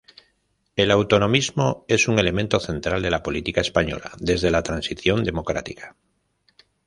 El autonomismo es un elemento central de la política española desde la transición democrática.